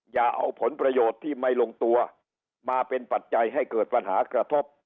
อย่าเอาผลประโยชน์ที่ไม่ลงตัวมาเป็นปัจจัยให้เกิดปัญหากระทบ